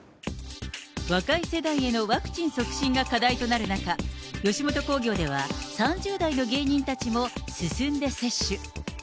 若い世代へのワクチン促進が課題となる中、吉本興業では、３０代の芸人たちも進んで接種。